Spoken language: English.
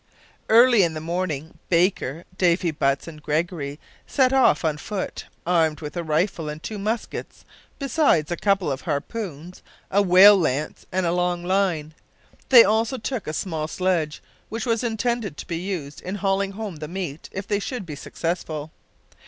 Early in the morning, Baker, Davy Butts, and Gregory set off on foot, armed with a rifle and two muskets, besides a couple of harpoons, a whale lance, and a long line. They also took a small sledge, which was intended to be used in hauling home the meat if they should be successful.